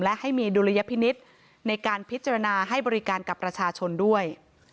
และให้มีดุลยพินิษฐ์ในการพิจารณาให้บริการกับประชาชนด้วย